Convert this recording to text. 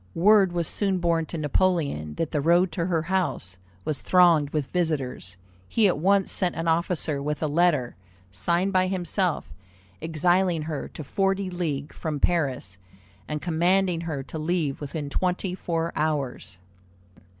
Word was soon borne to Napoleon that the road to her house was thronged with visitors. He at once sent an officer with a letter signed by himself, exiling her to forty leagues from Paris, and commanding her to leave within twenty four hours.